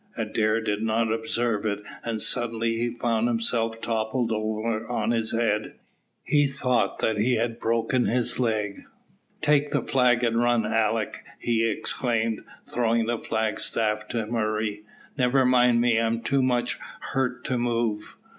Adair did not observe it, and suddenly he found himself toppled over on his head. He thought that he had broken his leg. "Take the flag and run, Alick," he exclaimed, throwing the flag staff to Murray. "Never mind me, I'm too much, hurt to move."